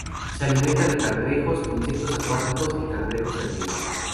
Se alimenta de cangrejos, insectos acuáticos, y cangrejos de río.